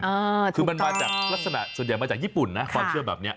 มันมาเกี่ยวกับลักษณะส่วนใหญ่มาจากญี่ปุ่นนะความเชื่อแบบเนี่ย